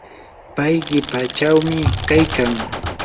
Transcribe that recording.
pay qipachawmi kaykan.